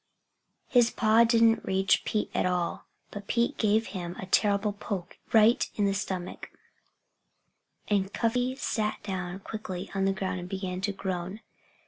His paw didn't reach Pete at all. But Pete gave him a terrible poke right in the stomach, and Cuffy sat down quickly on the ground and began to groan.